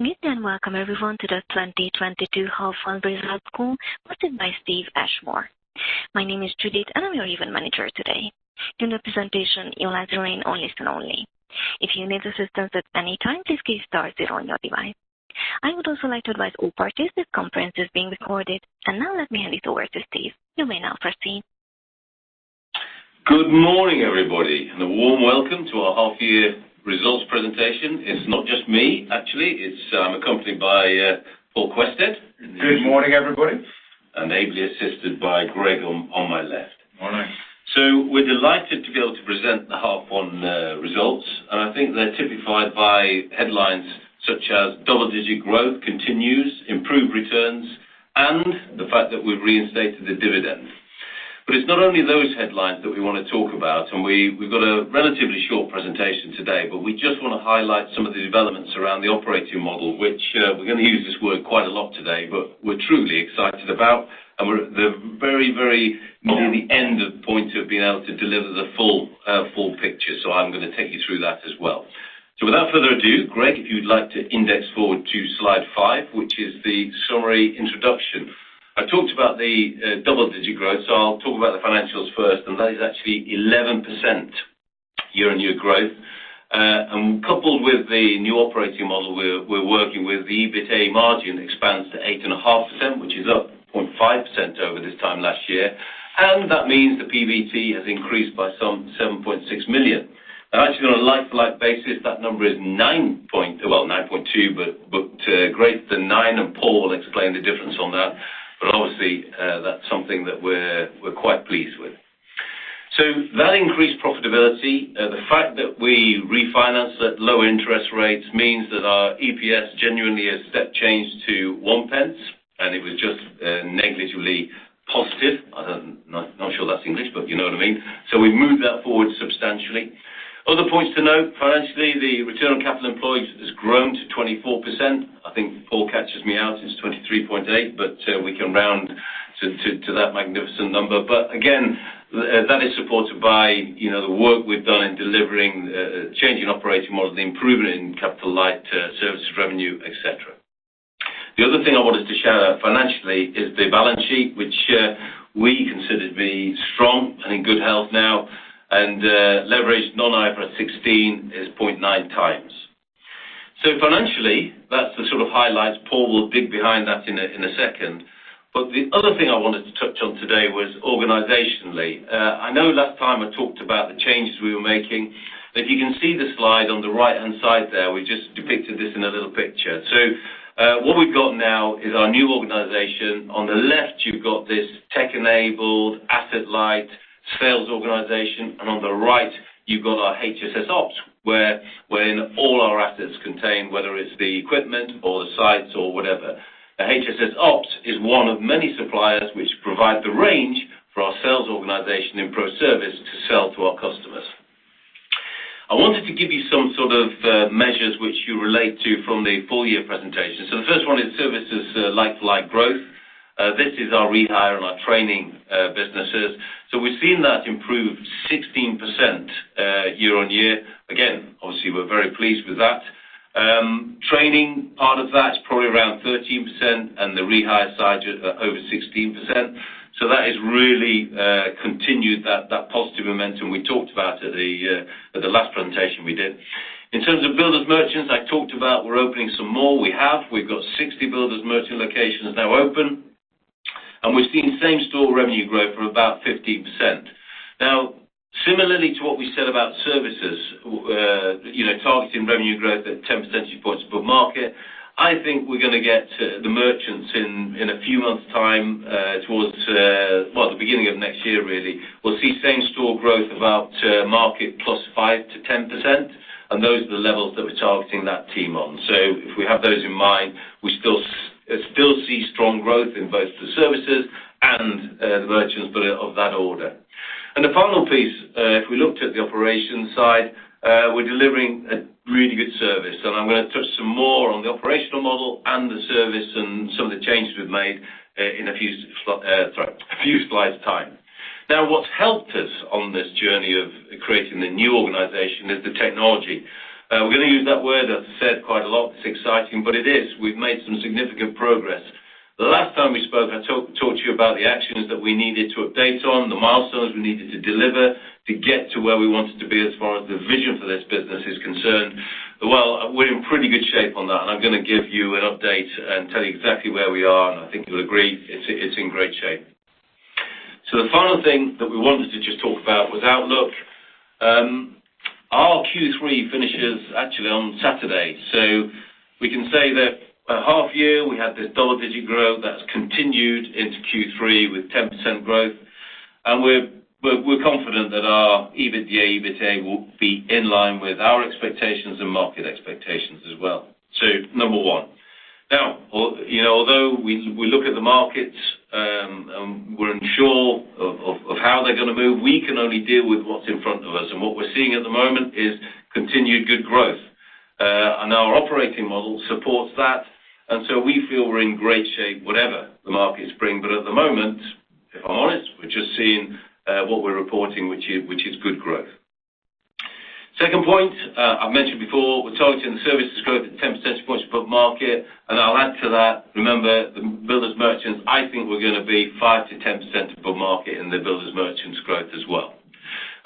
Good day and welcome everyone to the 2022 half one results call, hosted by Steve Ashmore. My name is Judith, and I'm your event manager today. During the presentation, you'll like to remain on listen only. If you need assistance at any time, please press star one on your device. I would also like to advise all parties this conference is being recorded. Now let me hand it over to Steve. You may now proceed. Good morning, everybody, and a warm welcome to our half year results presentation. It's not just me, actually. It's accompanied by Paul Quested. Good morning, everybody. ably assisted by Greg on my left. Morning. We're delighted to be able to present the half one results. I think they're typified by headlines such as double-digit growth continues, improved returns, and the fact that we've reinstated the dividend. It's not only those headlines that we wanna talk about, and we've got a relatively short presentation today. We just wanna highlight some of the developments around the operating model, which we're gonna use this word quite a lot today, but we're truly excited about. We're at the very, very- Yeah Nearly at the point of being able to deliver the full picture. Without further ado, Greg, if you'd like to index forward to slide five, which is the summary introduction. I talked about the double-digit growth, so I'll talk about the financials first, and that is actually 11% year-on-year growth. Coupled with the new operating model we're working with, the EBITA margin expands to 8.5%, which is up 0.5% over this time last year. That means the PBT has increased by 7.6 million. Actually on a like-for-like basis, that number is 9.2, but Greg, the nine and Paul explained the difference on that. Obviously, that's something that we're quite pleased with. That increased profitability. The fact that we refinance at low interest rates means that our EPS genuinely has step changed to pence, and it was just negligibly positive. I'm not sure that's English, but you know what I mean. We moved that forward substantially. Other points to note, financially, the return on capital employed has grown to 24%. I think Paul catches me out, it's 23.8, but we can round to that magnificent number. But again, that is supported by, you know, the work we've done in delivering changing operating model, the improvement in capital-light services revenue, et cetera. The other thing I wanted to share financially is the balance sheet, which we consider to be strong and in good health now. Leverage non-IFRS 16 is 0.9 times. Financially, that's the sort of highlights. Paul will dig behind that in a second. The other thing I wanted to touch on today was organizationally. I know last time I talked about the changes we weronee making. If you can see the slide on the right-hand side there, we just depicted this in a little picture. What we've got now is our new organization. On the left, you've got this tech-enabled, asset-light sales organization. And on the right, you've got our HSS Ops, where all our assets contained, whether it's the equipment or the sites or whatever. The HSS Ops is one of many suppliers which provide the range for our sales organization in ProService to sell to our customers. I wanted to give you some sort of measures which you relate to from the full year presentation. The first one is services like light growth. This is our rehire and our training businesses. We've seen that improve 16% year-on-year. Again, obviously, we're very pleased with that. Training part of that's probably around 13% and the rehire side just over 16%. That has really continued that positive momentum we talked about at the last presentation we did. In terms of builders merchants, I talked about we're opening some more. We've got 60 builders merchant locations now open. We've seen same-store revenue growth of about 15%. Now, similarly to what we said about services, you know, targeting revenue growth at 10 percentage points above market, I think we're gonna get to the merchants in a few months' time, towards well, the beginning of next year, really. We'll see same-store growth of up to market plus 5%-10%, and those are the levels that we're targeting that team on. If we have those in mind, we still see strong growth in both the services and the merchants, but of that order. The final piece, if we looked at the operations side, we're delivering a really good service. I'm gonna touch some more on the operational model and the service and some of the changes we've made, in a few slides' time. Now, what's helped us on this journey of creating the new organization is the technology. We're gonna use that word, as I said, quite a lot. It's exciting, but it is. We've made some significant progress. The last time we spoke, I talked to you about the actions that we needed to update on, the milestones we needed to deliver to get to where we wanted to be as far as the vision for this business is concerned. We're in pretty good shape on that, and I'm gonna give you an update and tell you exactly where we are. I think you'll agree it's in great shape. The final thing that we wanted to just talk about was outlook. Our Q3 finishes actually on Saturday. We can say that a half year, we had this double-digit growth that's continued into Q3 with 10% growth. We're confident that our EBITDA, EBITA will be in line with our expectations and market expectations as well. Number one. You know, although we look at the markets and we're unsure of how they're gonna move, we can only deal with what's in front of us. What we're seeing at the moment is continued good growth. Our operating model supports that. We feel we're in great shape, whatever the markets bring. At the moment we're just seeing what we're reporting, which is good growth. Second point, I mentioned before, we're targeting the services growth at 10 percentage points above market, and I'll add to that. Remember, the builders merchants, I think we're gonna be 5%-10% above market in the builders merchants growth as well.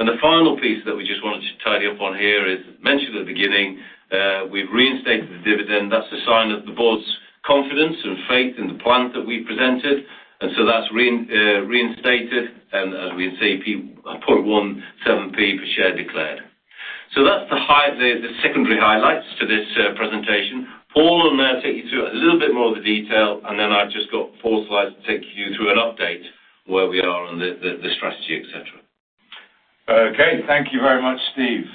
The final piece that we just wanted to tidy up on here is, mentioned at the beginning, we've reinstated the dividend. That's a sign of the board's confidence and faith in the plan that we presented. That's reinstated, and as we can see 0.17p per share declared. That's the secondary highlights to this presentation. Paul will now take you through a little bit more of the detail, and then I've just got 4 slides to take you through an update where we are on the strategy, et cetera. Okay. Thank you very much, Steve.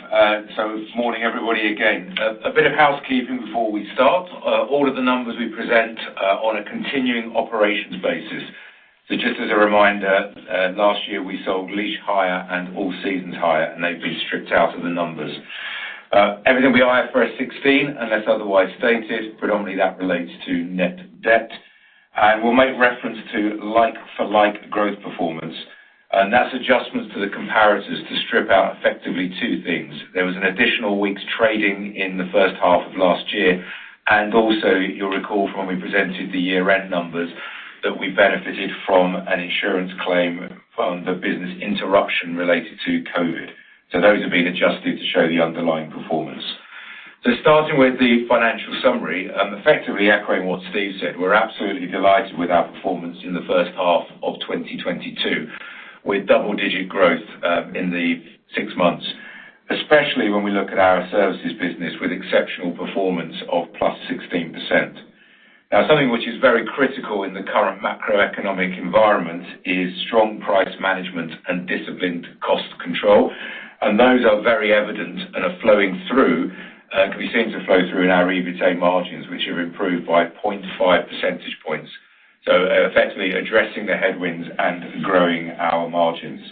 Morning, everybody, again. A bit of housekeeping before we start. All of the numbers we present on a continuing operations basis. Just as a reminder, last year, we sold Laois Hire and All Seasons Hire, and they've been stripped out of the numbers. Everything under IFRS 16 unless otherwise stated. Predominantly, that relates to net debt. We'll make reference to like-for-like growth performance, and that's adjustments to the comparators to strip out effectively two things. There was an additional week's trading in the first half of last year, and also you'll recall from when we presented the year-end numbers that we benefited from an insurance claim from the business interruption related to COVID. Those have been adjusted to show the underlying performance. Starting with the financial summary, effectively echoing what Steve said, we're absolutely delighted with our performance in the first half of 2022, with double-digit growth in the six months, especially when we look at our services business with exceptional performance of +16%. Now something which is very critical in the current macroeconomic environment is strong price management and disciplined cost control, and those are very evident and are flowing through, can be seen to flow through in our EBITA margins, which have improved by 0.5 percentage points, effectively addressing the headwinds and growing our margins.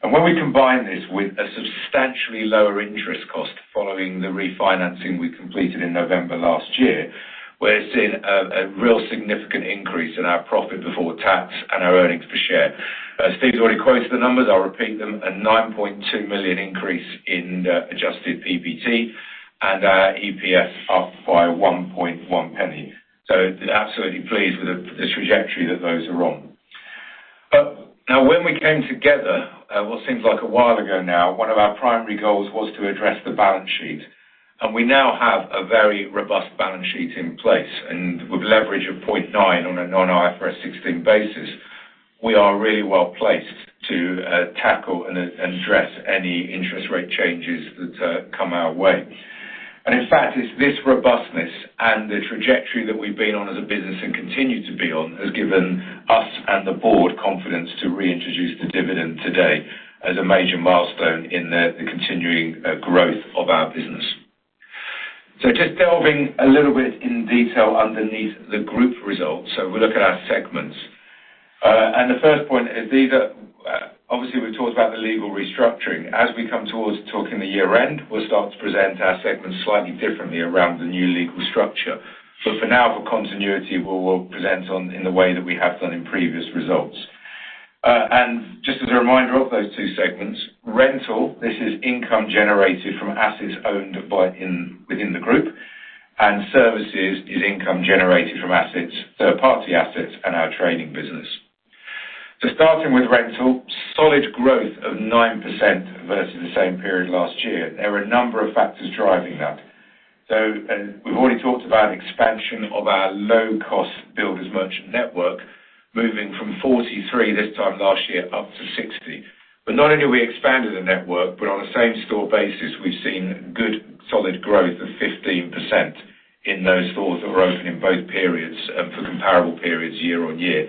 When we combine this with a substantially lower interest cost following the refinancing we completed in November last year, we're seeing a real significant increase in our profit before tax and our earnings per share. Steve's already quoted the numbers. I'll repeat them, a 9.2 million increase in adjusted PBT and our EPS up by 1.1 pence. Absolutely pleased with this trajectory that those are on. Now when we came together, what seems like a while ago now, one of our primary goals was to address the balance sheet, and we now have a very robust balance sheet in place. With leverage of 0.9 on a non-IFRS 16 basis, we are really well-placed to tackle and address any interest rate changes that come our way. In fact, it's this robustness and the trajectory that we've been on as a business and continue to be on has given us and the board confidence to reintroduce the dividend today as a major milestone in the continuing growth of our business. Just delving a little bit in detail underneath the group results, we'll look at our segments. The first point is these are, obviously we've talked about the legal restructuring. As we come towards talking the year-end, we'll start to present our segments slightly differently around the new legal structure. For now, for continuity, we'll present them in the way that we have done in previous results. Just as a reminder of those two segments, rental, this is income generated from assets owned within the group, and services is income generated from third-party assets and our trading business. Starting with rental, solid growth of 9% versus the same period last year. There were a number of factors driving that. We've already talked about expansion of our low-cost builders merchant network moving from 43 this time last year up to 60. Not only have we expanded the network, but on a same store basis we've seen good solid growth of 15% in those stores that were open in both periods, for comparable periods year-on-year.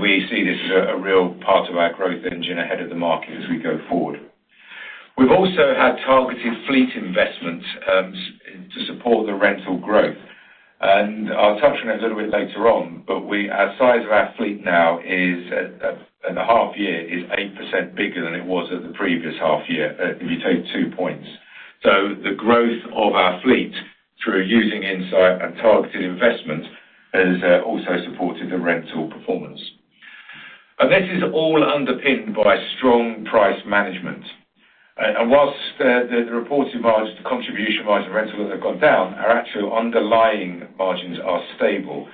We see this as a real part of our growth engine ahead of the market as we go forward. We've also had targeted fleet investment to support the rental growth. I'll touch on that a little bit later on, but our size of our fleet now is at in the half year is 8% bigger than it was at the previous half year, if you take 2 points. The growth of our fleet through using insight and targeted investment has also supported the rental performance. This is all underpinned by strong price management. While the reported margins, the contribution margins of rental have gone down, our actual underlying margins are stable.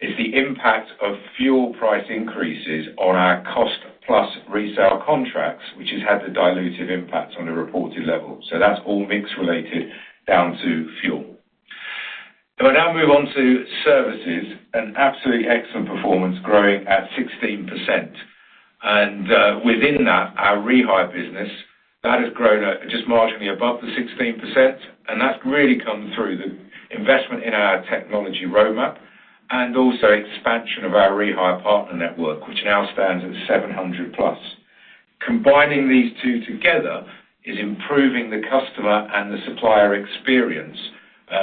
It's the impact of fuel price increases on our cost plus resale contracts, which has had the dilutive impact on the reported level. That's all mix related down to fuel. I now move on to services, an absolutely excellent performance growing at 16%. Within that, our rehire business, that has grown at just marginally above the 16%, and that's really come through the investment in our technology roadmap and also expansion of our rehire partner network, which now stands at 700+. Combining these two together is improving the customer and the supplier experience,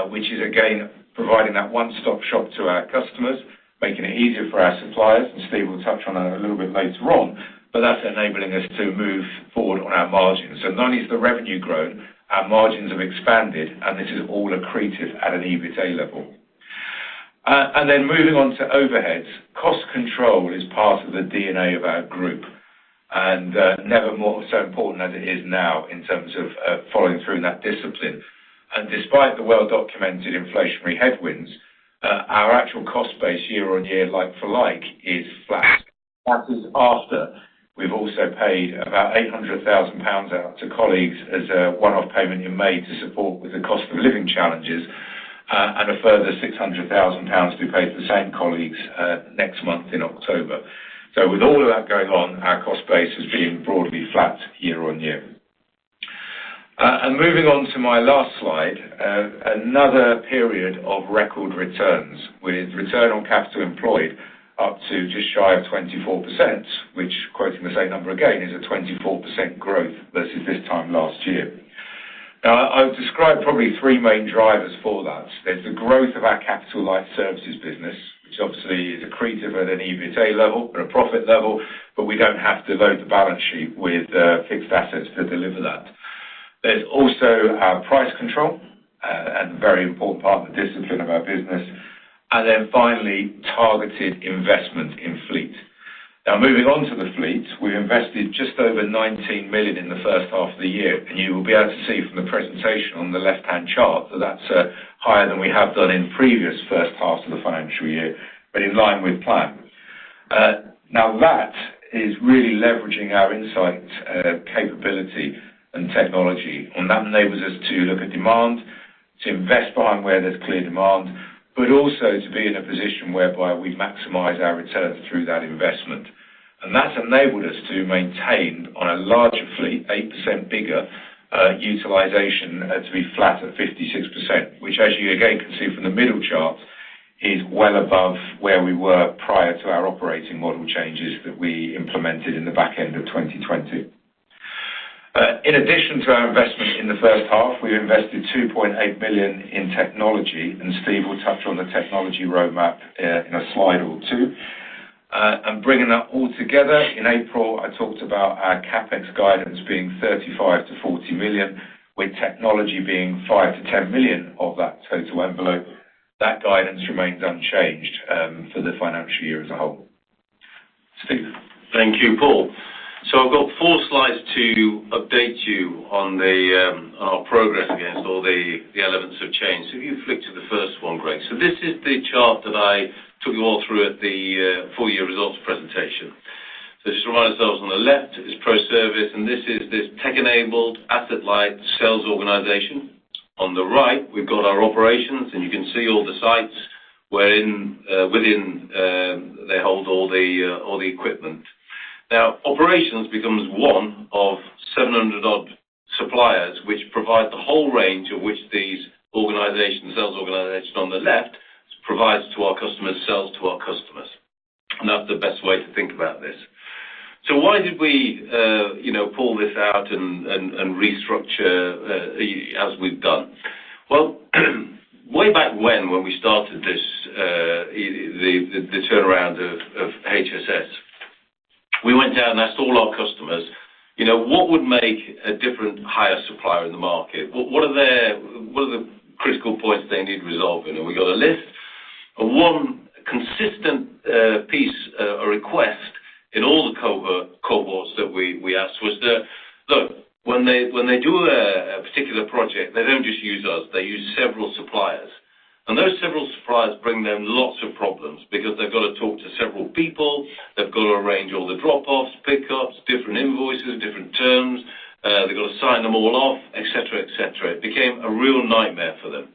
which is again providing that one-stop shop to our customers, making it easier for our suppliers, and Steve will touch on that a little bit later on. That's enabling us to move forward on our margins. Not only has the revenue grown, our margins have expanded, and this is all accretive at an EBITA level. Then moving on to overheads. Cost control is part of the DNA of our group, and never more so important as it is now in terms of following through that discipline. Despite the well-documented inflationary headwinds, our actual cost base year on year, like for like, is flat. That is after we've also paid about 800,000 pounds out to colleagues as a one-off payment in May to support with the cost of living challenges, and a further 600,000 pounds to be paid to the same colleagues, next month in October. With all of that going on, our cost base has been broadly flat year-on-year. Moving on to my last slide, another period of record returns with return on capital employed up to just shy of 24%, which quoting the same number again, is a 24% growth versus this time last year. Now, I would describe probably three main drivers for that. There's the growth of our capital-light services business, which obviously is accretive at an EBITA level and a profit level, but we don't have to load the balance sheet with fixed assets to deliver that. There's also our price control and a very important part, the discipline of our business, and then finally, targeted investment in fleet. Now moving on to the fleet, we invested just over 19 million in the first half of the year, and you will be able to see from the presentation on the left-hand chart that that's higher than we have done in previous first halves of the financial year, but in line with plan. Now that is really leveraging our insight, capability and technology, and that enables us to look at demand, to invest behind where there's clear demand, but also to be in a position whereby we maximize our returns through that investment. That's enabled us to maintain on a larger fleet, 8% bigger, utilization to be flat at 56%, which as you again can see from the middle chart, is well above where we were prior to our operating model changes that we implemented in the back end of 2020. In addition to our investment in the first half, we invested 2.8 million in technology, and Steve will touch on the technology roadmap in a slide or two. Bringing that all together, in April, I talked about our CapEx guidance being 35-40 million, with technology being 5-10 million of that total envelope. That guidance remains unchanged, for the financial year as a whole. Steve. Thank you, Paul. I've got four slides to update you on our progress against all the elements of change. If you flick to the first one, Greg. This is the chart that I took you all through at the full year results presentation. Just to remind ourselves on the left is ProService, and this is the tech-enabled asset light sales organization. On the right, we've got our operations, and you can see all the sites wherein within they hold all the equipment. Now, operations becomes one of 700 odd suppliers which provide the whole range of which the sales organization on the left provides to our customers, sells to our customers. That's the best way to think about this. Why did we, you know, pull this out and restructure, as we've done? Well, way back when we started this, the turnaround of HSS, we went down and asked all our customers, you know, what would make a different hire supplier in the market? What are their what are the critical points thfey need resolving? We got a list. One consistent piece or request in all the cohorts that we asked was that, look, when they do a particular project, they don't just use us, they use several suppliers. Those several suppliers bring them lots of problems because they've got to talk to several people. They've got to arrange all the drop-offs, pickups, different invoices, different terms. They've got to sign them all off, et cetera. It became a real nightmare for them.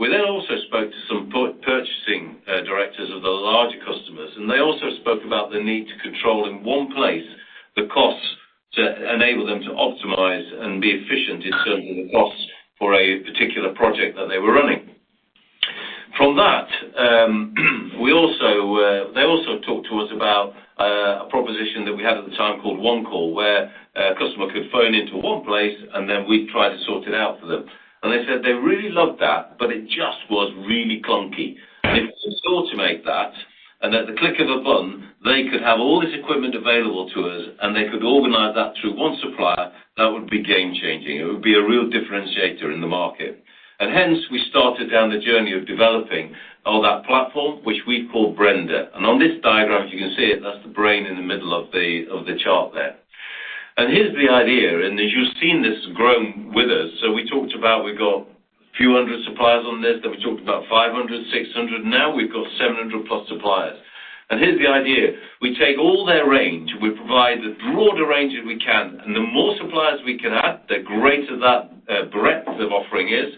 We then also spoke to some purchasing directors of the larger customers, and they also spoke about the need to control in one place the costs to enable them to optimize and be efficient in serving the costs for a particular project that they were running. From that, they also talked to us about a proposition that we had at the time called One Call, where a customer could phone into one place and then we'd try to sort it out for them. They said they really loved that, but it just was really clunky. If we could automate that, and at the click of a button, they could have all this equipment available to us, and they could organize that through one supplier, that would be game changing. It would be a real differentiator in the market. Hence, we started down the journey of developing all that platform, which we call Brenda. On this diagram, as you can see it, that's the brain in the middle of the chart there. Here's the idea, and as you've seen this grown with us, so we talked about we've got a few hundred suppliers on this, then we talked about 500, 600. Now we've got 700+ suppliers. Here's the idea. We take all their range, we provide as broad a range as we can, and the more suppliers we can add, the greater that breadth of offering is.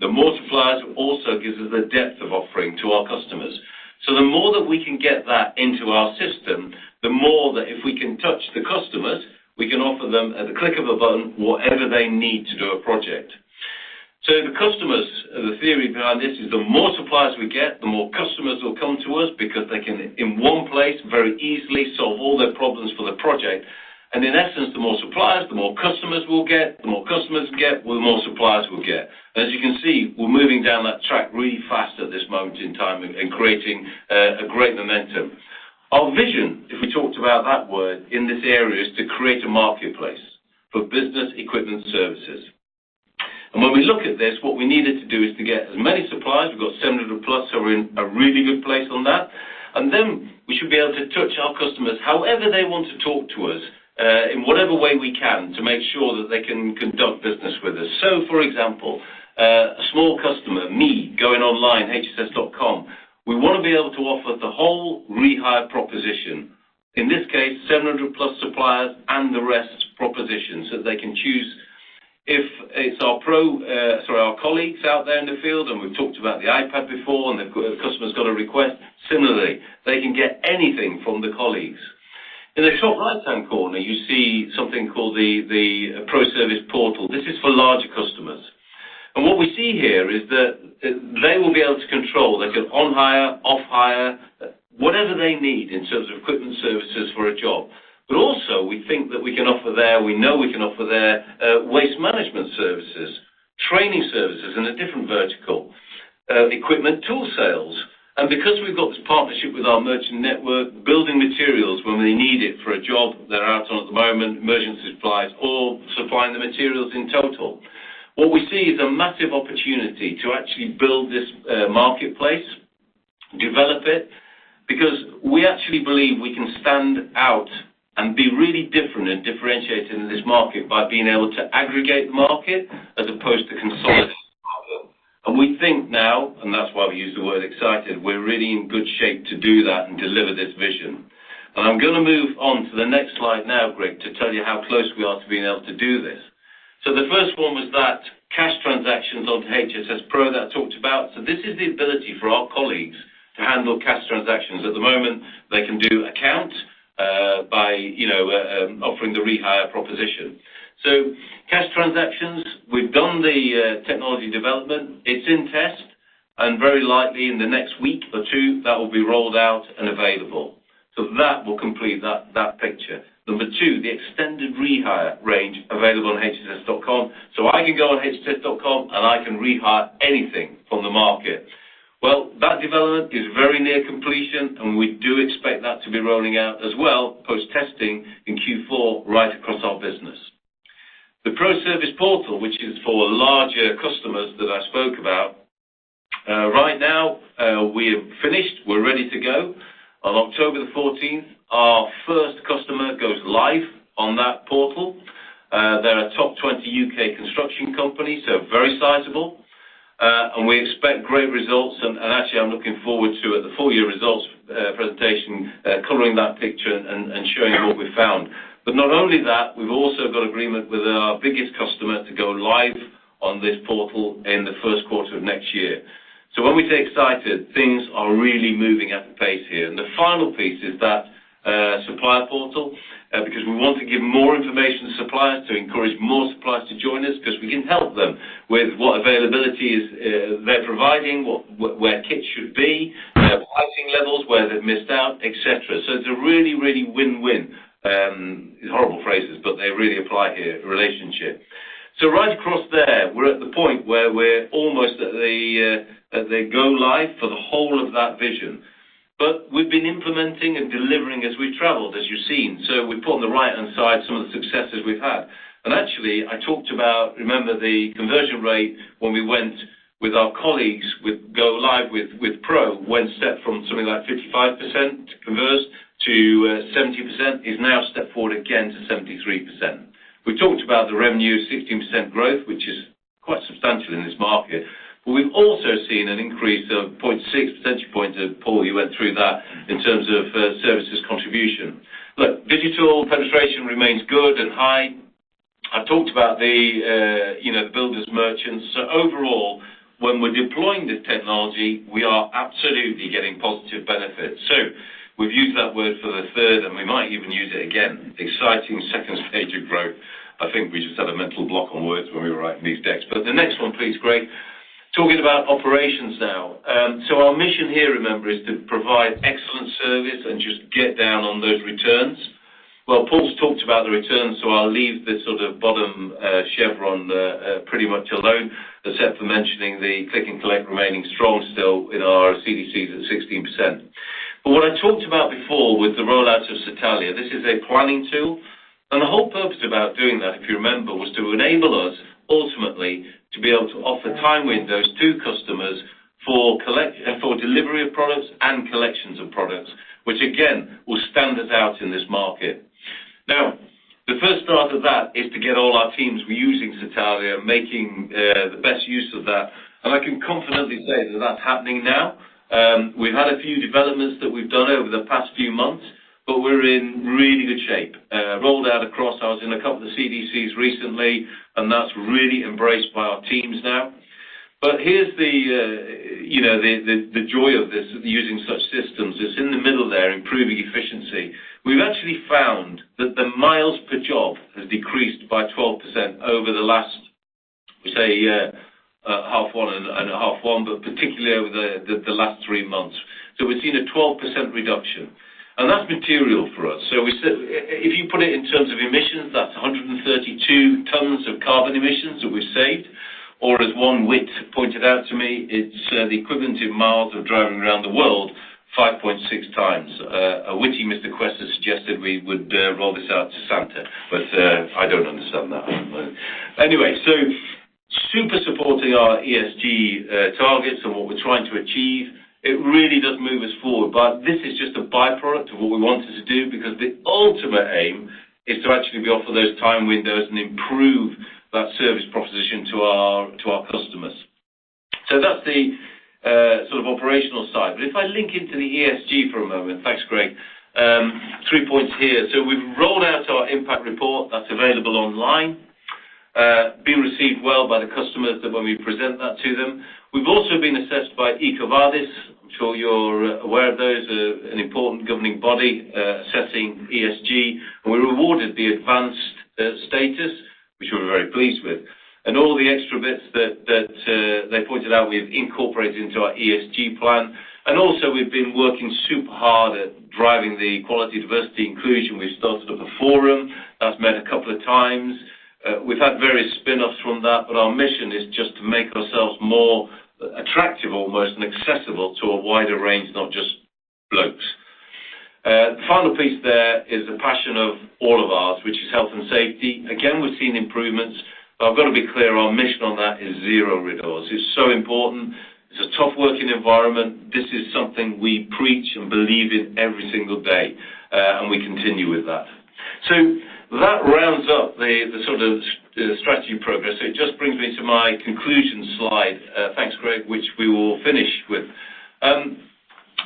The more suppliers also gives us a depth of offering to our customers. The more that we can get that into our system, the more that if we can touch the customers, we can offer them at the click of a button whatever they need to do a project. The customers, the theory behind this is the more suppliers we get, the more customers will come to us because they can, in one place, very easily solve all their problems for the project. In essence, the more suppliers, the more customers we'll get. The more customers we get, well, the more suppliers we'll get. As you can see, we're moving down that track really fast at this moment in time and creating a great momentum. Our vision, if we talked about that word, in this area, is to create a marketplace for business equipment services. When we look at this, what we needed to do is to get as many suppliers. We've got 700+, so we're in a really good place on that. Then we should be able to touch our customers however they want to talk to us, in whatever way we can, to make sure that they can conduct business with us. For example, a small customer, me, going online, hss.com, we wanna be able to offer the whole rehire proposition. In this case, 700+ suppliers and the rest propositions, that they can choose if it's our colleagues out there in the field, and we've talked about the iPad before, and the customer's got a request. Similarly, they can get anything from the colleagues. In the top right-hand corner, you see something called the ProService portal. This is for larger customers. What we see here is that they will be able to control. They can on hire, off hire, whatever they need in terms of equipment services for a job. But also, we think that we can offer there, we know we can offer there, waste management services, training services in a different vertical, equipment tool sales. Because we've got this partnership with our merchant network, building materials when we need it for a job they're out on at the moment, emergency supplies or supplying the materials in total. What we see is a massive opportunity to actually build this, marketplace, develop it, because we actually believe we can stand out and be really different and differentiated in this market by being able to aggregate market as opposed to consolidate. We think now, and that's why we use the word excited, we're really in good shape to do that and deliver this vision. I'm gonna move on to the next slide now, Greg, to tell you how close we are to being able to do this. The first one was that cash transactions onto HSS Pro that I talked about. This is the ability for our colleagues to handle cash transactions. At the moment, they can do account, by, you know, offering the rehire proposition. Cash transactions, we've done the, technology development. It's in test, and very likely in the next week or two, that will be rolled out and available. That will complete that picture. Number two, the extended rehire range available on hss.com. I can go on hss.com, and I can rehire anything from the market. Well, that development is very near completion, and we do expect that to be rolling out as well, post-testing in Q4 right across our business. The ProService portal, which is for larger customers that I spoke about, right now, we have finished. We're ready to go. On 14th October, our first customer goes live on that portal. They're a top 20 U.K. construction company, so very sizable. We expect great results. Actually, I'm looking forward to the full year results presentation covering that picture and showing you what we found. Not only that, we've also got agreement with our biggest customer to go live on this portal in the first quarter of next year. When we say excited, things are really moving at the pace here. The final piece is that supplier portal because we want to give more information to suppliers to encourage more suppliers to join us 'cause we can help them with what availability is they're providing, where kits should be, pricing levels, where they've missed out, et cetera. It's a really win-win, horrible phrases, but they really apply here, relationship. Right across there, we're at the point where we're almost at the go live for the whole of that vision. We've been implementing and delivering as we've traveled, as you've seen. We put on the right-hand side some of the successes we've had. Actually, I talked about, remember, the conversion rate when we went with our colleagues with go live with Pro, went step from something like 55% conversion to 70%, is now stepped forward again to 73%. We talked about the revenue, 16% growth, which is quite substantial in this market. We've also seen an increase of 0.6 percentage points, and Paul, you went through that, in terms of services contribution. Look, digital penetration remains good and high. I talked about the you know, builders merchants. Overall, when we're deploying this technology, we are absolutely getting positive benefits. We've used that word for the third, and we might even use it again. Exciting second stage of growth. I think we just had a mental block on words when we were writing these decks. The next one, please, Greg. Talking about operations now. Our mission here, remember, is to provide excellent service and just get down on those returns. Paul's talked about the returns, so I'll leave the sort of bottom chevron pretty much alone, except for mentioning the click and collect remaining strong still in our CDCs at 16%. What I talked about before with the rollout of Satalia, this is a planning tool. The whole purpose about doing that, if you remember, was to enable us ultimately to be able to offer time windows to customers for delivery of products and collections of products, which again, will stand us out in this market. Now, the first part of that is to get all our teams reusing Satalia, making the best use of that. I can confidently say that that's happening now. We've had a few developments that we've done over the past few months, but we're in really good shape. Rolled out across, I was in a couple of CDCs recently, and that's really embraced by our teams now. Here's the, you know, the joy of this, using such systems, is in the middle there, improving efficiency. We've actually found that the miles per job has decreased by 12% over the last, say, half one and half one, but particularly over the last three months. We've seen a 12% reduction, and that's material for us. We said if you put it in terms of emissions, that's 132 tons of carbon emissions that we've saved, or as pointed out to me it's the equivalent in miles of driving around the world 5.6x. A witty Mr. Quested has suggested we would roll this out to Santa, but I don't understand that one. Anyway, super supporting our ESG targets and what we're trying to achieve, it really does move us forward. This is just a by-product of what we wanted to do because the ultimate aim is to actually offer those time windows and improve that service proposition to our customers. That's the sort of operational side. If I link into the ESG for a moment. Thanks, Greg. Three points here. We've rolled out our impact report that's available online, being received well by the customers when we present that to them. We've also been assessed by EcoVadis. I'm sure you're aware of those. An important governing body assessing ESG, and we were awarded the advanced status, which we're very pleased with. All the extra bits that they pointed out we've incorporated into our ESG plan. Also we've been working super hard at driving the equality, diversity, and inclusion. We've started up a forum that's met a couple of times. We've had various spinoffs from that, but our mission is just to make ourselves more attractive almost and accessible to a wider range, not just blokes. The final piece there is a passion of all of ours, which is health and safety. Again, we've seen improvements, but I've got to be clear, our mission on that is zero riddors. It's so important. It's a tough working environment. This is something we preach and believe in every single day, and we continue with that. That rounds up the sort of strategy progress. It just brings me to my conclusion slide, thanks, Greg, which we will finish with.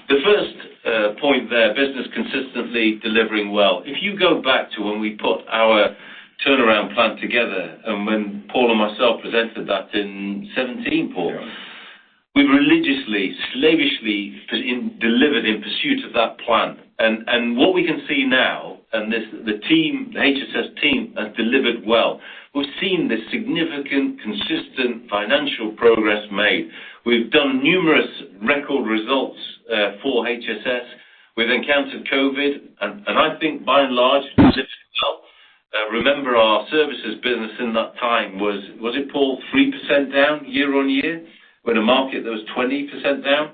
The first point there, business consistently delivering well. If you go back to when we put our turnaround plan together and when Paul and myself presented that in 2017, Paul. Yeah. We religiously, slavishly delivered in pursuit of that plan. What we can see now, the team, the HSS team has delivered well. We've seen this significant, consistent financial progress made. We've done numerous record results for HSS. We've encountered COVID and I think by and large remember our services business in that time was. Was it, Paul, 3% down year-on-year when a market that was 20% down?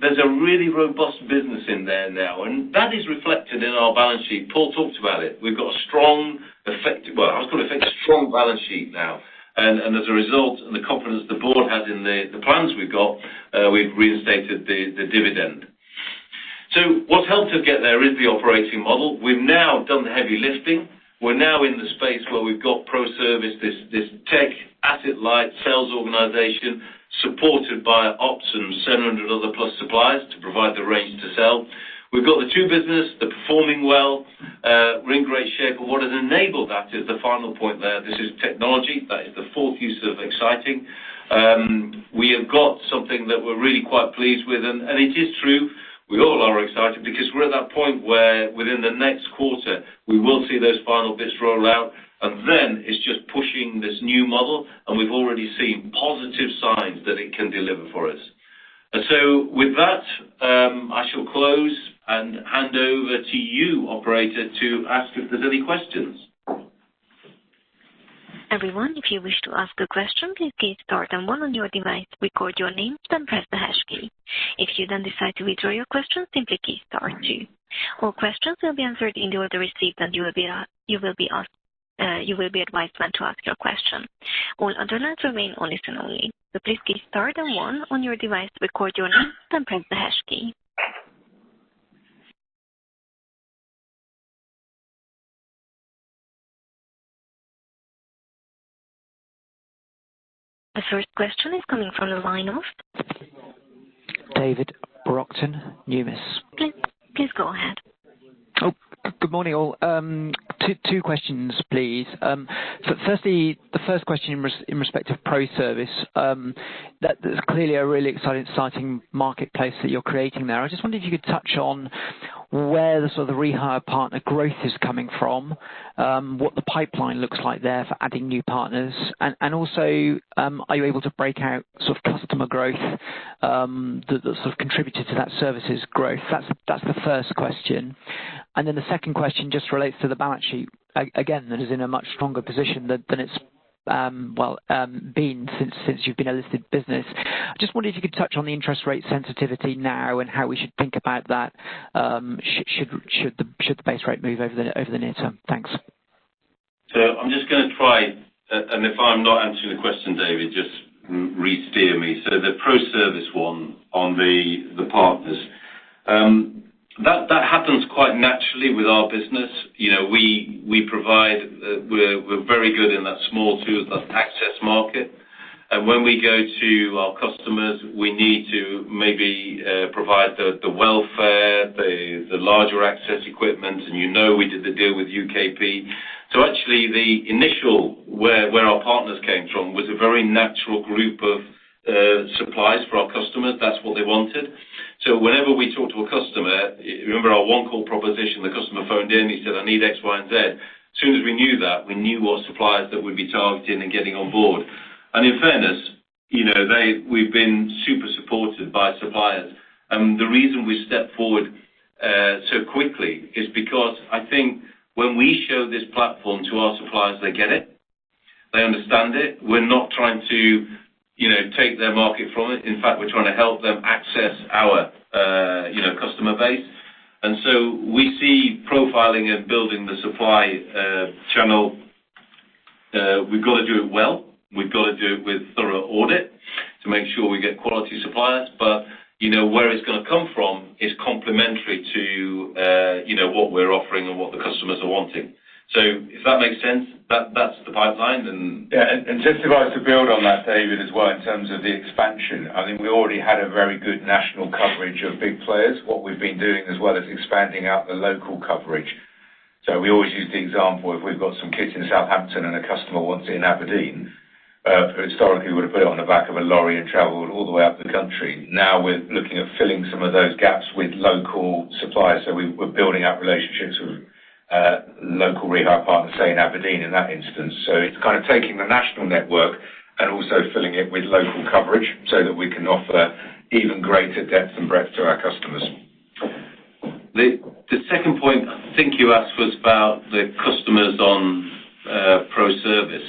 There's a really robust business in there now, and that is reflected in our balance sheet. Paul talked about it. We've got a strong, effective balance sheet now. As a result, the confidence the board has in the plans we've got, we've reinstated the dividend. What's helped us get there is the operating model. We've now done the heavy lifting. We're now in the space where we've got ProService, this tech asset-light sales organization supported by ops and 700 other plus suppliers to provide the range to sell. We've got the two businesses, they're performing well. We're in great shape. What has enabled that is the final point there. This is technology. That is the fourth use case that's exciting. We have got something that we're really quite pleased with. It is true, we all are excited because we're at that point where within the next quarter we will see those final bits roll out, and then it's just pushing this new model, and we've already seen positive signs that it can deliver for us. With that, I shall close and hand over to you, operator, to ask if there's any questions. Everyone, if you wish to ask a question, please key star then one on your device, record your name, then press the hash key. If you then decide to withdraw your question, simply key star two. All questions will be answered in the order received, and you will be advised when to ask your question. All other lines remain on listen only. Please key star then one on your device to record your name, then press the hash key. The first question is coming from the line of- David Brockton, Numis. Please go ahead. Good morning, all. Two questions, please. Firstly, the first question in respect of ProService, that there's clearly a really exciting marketplace that you're creating there. I just wondered if you could touch on where the sort of rehire partner growth is coming from, what the pipeline looks like there for adding new partners. And also, are you able to break out sort of customer growth, that sort of contributed to that services growth? That's the first question. And then the second question just relates to the balance sheet. Again, that is in a much stronger position than it's well been since you've been a listed business. I just wondered if you could touch on the interest rate sensitivity now and how we should think about that, should the base rate move over the near term. Thanks. I'm just gonna try and if I'm not answering the question, David, just restir me. The ProService one on the partners. That happens quite naturally with our business. You know, we provide, we're very good in that small tool and access market. When we go to our customers, we need to maybe provide the welfare, the larger access equipment. You know, we did the deal with UK Platforms. Actually the initial where our partners came from was a very natural group of suppliers for our customers. That's what they wanted. Whenever we talk to a customer, remember our One Call proposition, the customer phoned in, he said, "I need X, Y, and Z." As soon as we knew that, we knew what suppliers that we'd be targeting and getting on board. In fairness, you know, we've been super supported by suppliers. The reason we step forward so quickly is because I think when we show this platform to our suppliers, they get it, they understand it. We're not trying to, you know, take their market from it. In fact, we're trying to help them access our, you know, customer base. We see profiling and building the supply channel. We've got to do it well. We've got to do it with thorough audit to make sure we get quality suppliers. But, you know, where it's gonna come from is complementary to, you know, what we're offering and what the customers are wanting. If that makes sense, that's the pipeline and Yeah. Just if I was to build on that, David, as well, in terms of the expansion, I think we already had a very good national coverage of big players. What we've been doing as well is expanding out the local coverage. We always use the example, if we've got some kits in Southampton and a customer wants it in Aberdeen, historically, we would have put it on the back of a lorry and traveled all the way up the country. Now we're looking at filling some of those gaps with local suppliers. We're building up relationships with local rehire partners, say, in Aberdeen in that instance. It's kind of taking the national network and also filling it with local coverage so that we can offer even greater depth and breadth to our customers. The second point I think you asked was about the customers on ProService.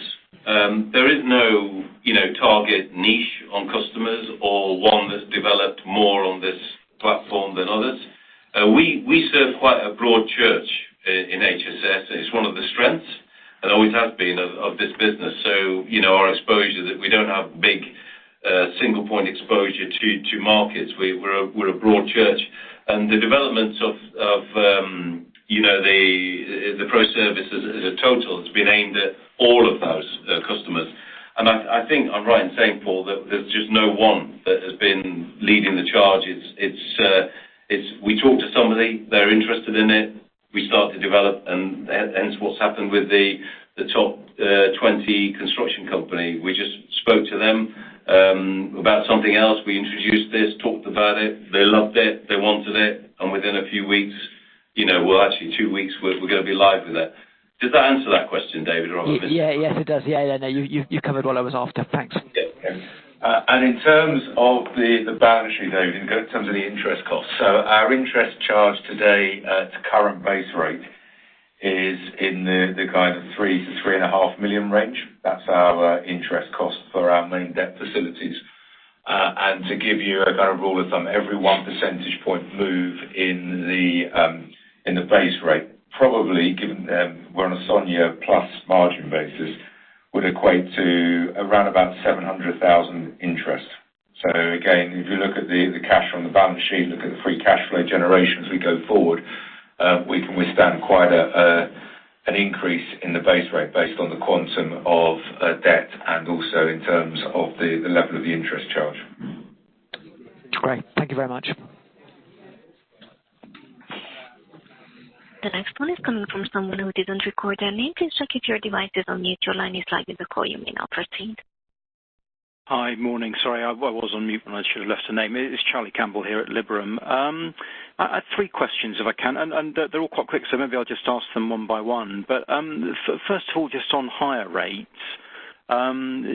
Yeah. Okay. In terms of the balance sheet, David, in terms of the interest cost, our interest charge today at current base rate is in the kind of 3 million-3.5 million range. That's our interest cost for our main debt facilities. To give you a kind of rule of thumb, every 1 percentage point move in the base rate, probably given we're on a SONIA plus margin basis, would equate to around about 700,000 interest. If you look at the cash on the balance sheet, look at the free cash flow generation as we go forward, we can withstand quite an increase in the base rate based on the quantum of debt and also in terms of the level of the interest charge. Great. Thank you very much. The next one is coming from someone who didn't record their name. Please check if your device is on mute. Your line is live. With the call, you may now proceed. Hi. Morning. Sorry, I was on mute when I should have left a name. It's Charlie Campbell here at Liberum. I have three questions, if I can, and they're all quite quick, so maybe I'll just ask them one by one. First of all, just on higher rates,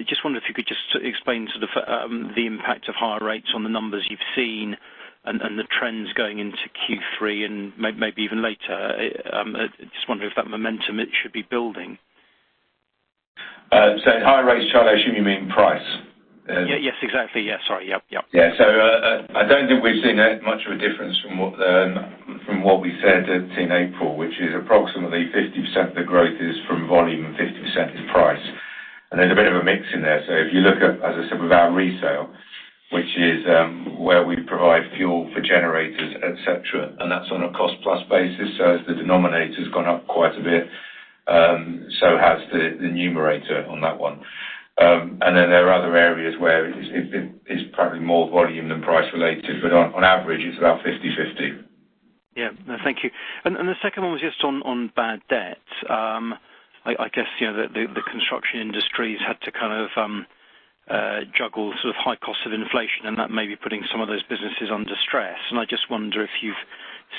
just wonder if you could just explain sort of, the impact of higher rates on the numbers you've seen and, the trends going into Q3 and maybe even later. I'm just wondering if that momentum, it should be building. Higher rates, Charlie, I assume you mean price. Yeah. Yes, exactly. Yeah. Sorry. Yep. Yep. Yeah. I don't think we've seen that much of a difference from what we said in April, which is approximately 50% of the growth is from volume and 50% is price. There's a bit of a mix in there. If you look at, as I said, with our resale, which is where we provide fuel for generators, et cetera, and that's on a cost-plus basis. As the denominator's gone up quite a bit, so has the numerator on that one. And then there are other areas where it is probably more volume than price related, but on average, it's about 50/50. Yeah. No, thank you. The second one was just on bad debt. I guess, you know, the construction industry's had to kind of juggle sort of high costs of inflation, and that may be putting some of those businesses under stress. I just wonder if you've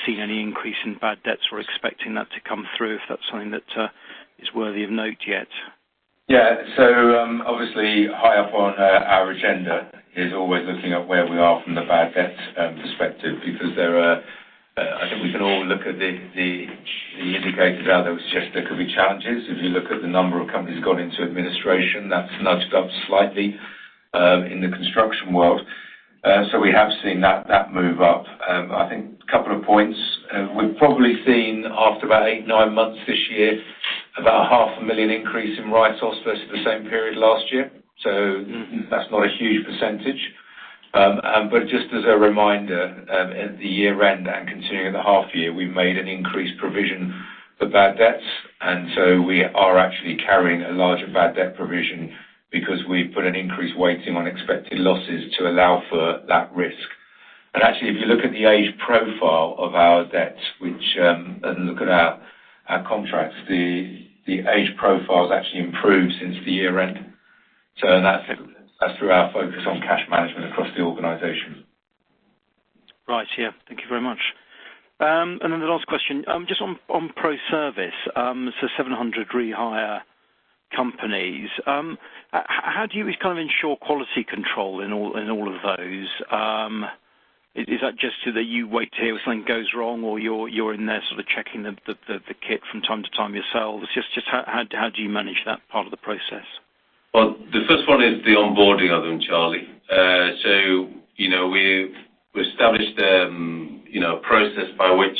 seen any increase in bad debts or expecting that to come through, if that's something that is worthy of note yet. Yeah. Obviously, high up on our agenda is always looking at where we are from the bad debts perspective because there are. I think we can all look at the indicators out there, which suggest there could be challenges. If you look at the number of companies gone into administration, that's nudged up slightly in the construction world. We have seen that move up, I think couple of points. We've probably seen after about eight, nine months this year, about 0.5 million increase in write-offs versus the same period last year. That's not a huge percentage. Just as a reminder, at the year-end and continuing in the half year, we made an increased provision for bad debts, and so we are actually carrying a larger bad debt provision because we've put an increased weighting on expected losses to allow for that risk. Actually, if you look at the age profile of our debt and look at our contracts, the age profile's actually improved since the year-end. That's through our focus on cash management across the organization. Right. Yeah. Thank you very much. The last question, just on ProService, 700 hire companies. How do you kind of ensure quality control in all of those? Is that just so that you wait to hear if something goes wrong or you're in there sort of checking the kit from time to time yourselves? Just how do you manage that part of the process? Well, the first one is the onboarding of them, Charlie. So, you know, we've established a process by which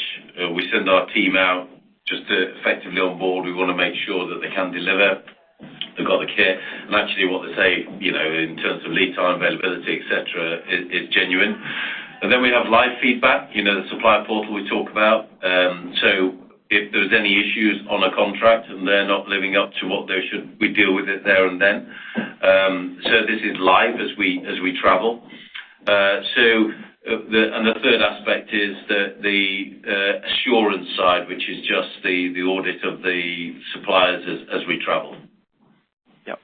we send our team out just to effectively onboard. We wanna make sure that they can deliver, they've got the kit, and actually what they say, you know, in terms of lead time availability, et cetera, is genuine. Then we have live feedback, you know, the supplier portal we talked about. So if there's any issues on a contract and they're not living up to what they should, we deal with it there and then. So this is live as we travel. The third aspect is the assurance side, which is just the audit of the suppliers as we travel. Yep.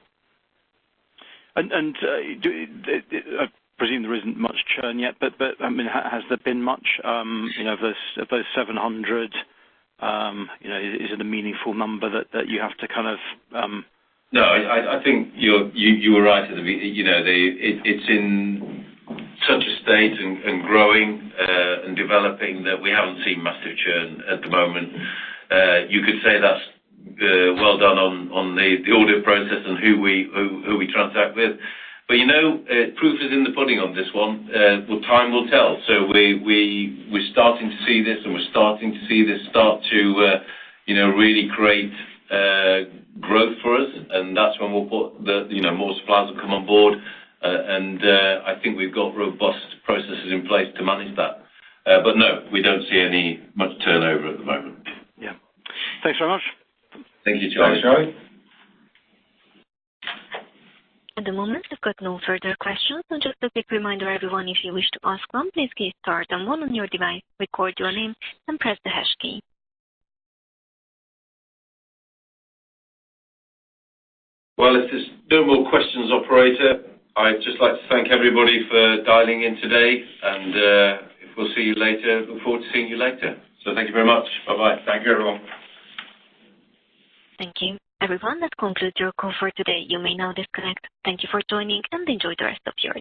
I presume there isn't much churn yet, but I mean, has there been much, you know, of those 700, you know, is it a meaningful number that you have to kind of No, I think you were right. You know, it’s in such a state and growing and developing that we haven’t seen massive churn at the moment. You could say that’s well done on the audit process and who we transact with. You know, proof is in the pudding on this one. Well, time will tell. We’re starting to see this, and we’re starting to see this start to, you know, really create growth for us, and that’s when, you know, more suppliers will come on board. I think we’ve got robust processes in place to manage that. No, we don’t see any much turnover at the moment. Yeah. Thanks very much. Thank you, Charlie. Thanks, Charlie. At the moment, we've got no further questions. Just a quick reminder, everyone, if you wish to ask one, please key star then one on your device, record your name and press the hash key. Well, if there's no more questions, operator, I'd just like to thank everybody for dialing in today, and we'll see you later, look forward to seeing you later. Thank you very much. Bye-bye. Thank you, everyone. Thank you. Everyone, that concludes your call for today. You may now disconnect. Thank you for joining, and enjoy the rest of your day.